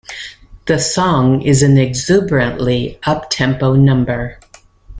The song is an exuberantly up-tempo number.